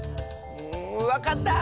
んわかった！